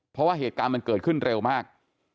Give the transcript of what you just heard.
เพราะว่าเหตุการณ์มันเกิดขึ้นเร็วมาก